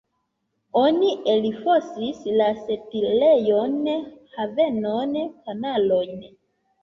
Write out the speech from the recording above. Oni elfosis la setlejon, havenon, kanalojn.